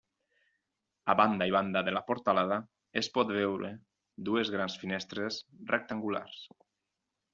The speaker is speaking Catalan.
A banda i banda de la portalada es pot veure dues grans finestres rectangulars.